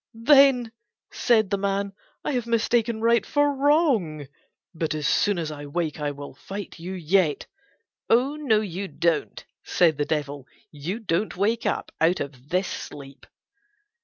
"Then," said the man, "I have mistaken right for wrong; but as soon as I wake I will fight you yet." "O, no you don't," said the Devil. "You don't wake up out of this sleep."